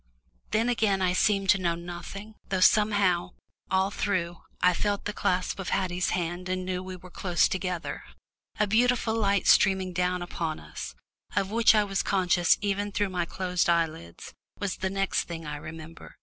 Then again I seemed to know nothing, though somehow, all through, I felt the clasp of Haddie's hand and knew we were close together. A beautiful light streaming down upon us, of which I was conscious even through my closed eyelids, was the next thing I remember.